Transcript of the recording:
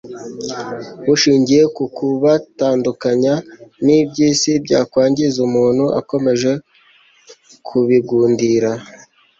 bushingiye ku kubatandukanya n'iby'isi byakwangiza umuntu akomeje kubigundira.